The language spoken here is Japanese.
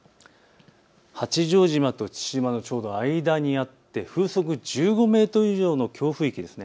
八丈島と父島のちょうど間にあって風速１５メートル以上の強風域です。